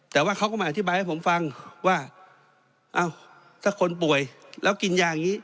แต่ว่าเขาก็มาอธิบายให้ผมฟังว่าเอ้าถ้าคนป่วยแล้วกินยาอย่างนี้